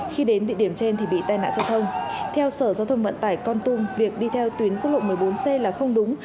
khi đến địa điểm trên thì bị tai nạn giao thông theo sở giao thông vận tải con tum việc đi theo tuyến quốc lộ một mươi bốn c là không đúng